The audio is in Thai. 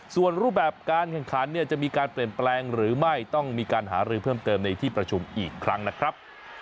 ส่วนรูปแบบการแข่งขันเนี่ยจะมีการเปลี่ยนแปลงหรือไม่ต้องมีการหารือเพิ่มเติมในที่ประชุมอีกครั้งนะครับ